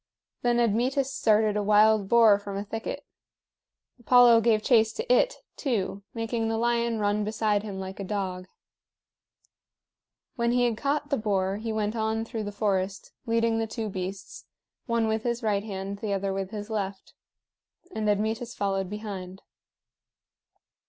Then Admetus started a wild boar from a thicket. Apollo gave chase to it, too, making the lion run beside him like a dog. When he had caught the boar, he went on through the forest, leading the two beasts, one with his right hand, the other with his left; and Admetus followed behind.